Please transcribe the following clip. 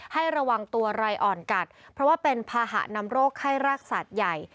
ให้ระวังตัวไรอ่อนกัดเพราะว่าเป็นภาหะนำโรคไข้รากสัตว์ใหญ่